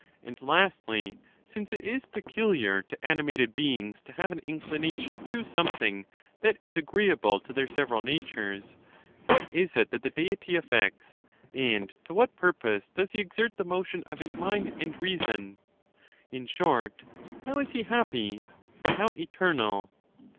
And, lastly, since it is peculiar to animated beings to have an inclination to something that is agreeable to their several natures, what is it that the Deity affects, and to what pur pose does he exert the motion of his mind and reason ? In short, how is he happy? how eternal?